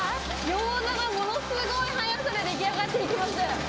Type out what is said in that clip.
ギョーザがものすごい速さで出来上がっていきます。